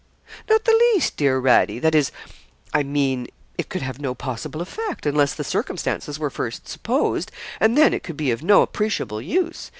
'Not the least, dear Radie that is, I mean, it could have no possible effect, unless the circumstances were first supposed, and then it could be of no appreciable use.